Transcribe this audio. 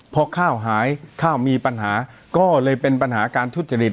พอข้าวหายข้าวมีปัญหาก็เลยเป็นปัญหาการทุจริต